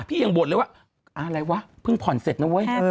ยังบ่นเลยว่าอะไรวะเพิ่งผ่อนเสร็จนะเว้ย